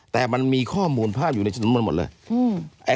แต่มันมีข้อมูลภาพอยู่ในสำนวนหมดเลย